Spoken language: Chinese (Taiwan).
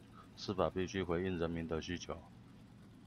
司法必須回應人民的需求